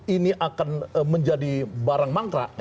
ini akan menjadi barang mangkrak